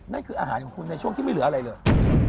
นั่นคืออาหารของคุณในช่วงที่ไม่เหลืออะไรเลย